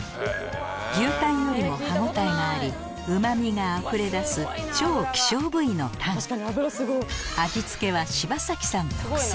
牛タンよりも歯応えがありうま味があふれ出す超希少部位のタンジャジャン！